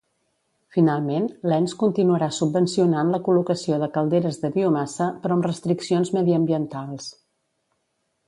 Finalment, l'ens continuarà subvencionant la col·locació de calderes de biomassa, però amb restriccions mediambientals.